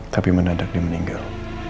tapi menadak dia meninggal